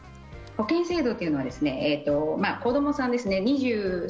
保険制度というのは子どもさんですね。